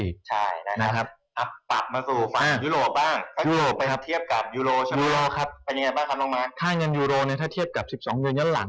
ครับผมชักเมื่อก่อนก็เกือบ๕๐บาท